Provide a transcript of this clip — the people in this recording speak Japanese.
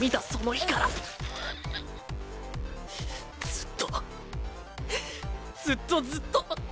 ずっとずっとずっと。